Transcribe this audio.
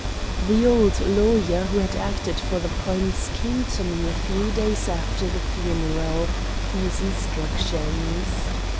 The old lawyer who had acted for the Prince came to me a few days after the funeral for his instructions.